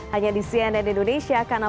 hanya di siena dan indonesia karena